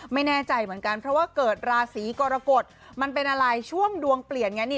ไม่แน่ใจเหมือนกันเพราะว่าเกิดราศีกรกฎมันเป็นอะไรช่วงดวงเปลี่ยนไงนี่